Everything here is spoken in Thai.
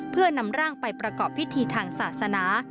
เพื่อนำร่างไปประกอบพิธีทางศาสนา